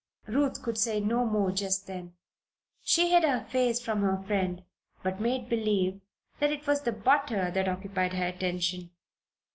Ruth could say no more just then. She hid her face from her friend, but made believe that it was the butter that occupied her attention.